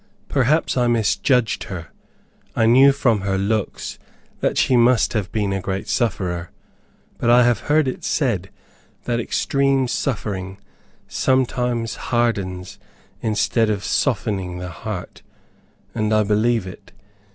Perhaps I misjudged her. I knew from her looks that she must have been a great sufferer; but I have heard it said that extreme suffering sometimes hardens instead of softening the heart, and I believe it.